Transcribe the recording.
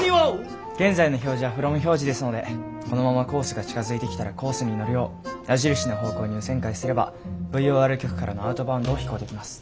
現在の表示はＦＲＯＭ表示ですのでこのままコースが近づいてきたらコースに乗るよう矢印の方向に右旋回すればＶＯＲ局からのアウトバウンドを飛行できます。